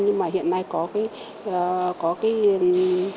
nhưng mà hiện nay có cái